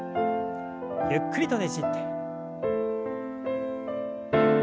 ゆっくりとねじって。